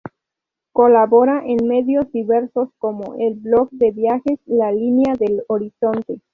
Colabora en medios diversos, como el blog de viajes "La línea del Horizonte"